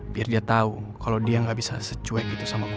biar dia tahu kalau dia gak bisa secuek gitu samaku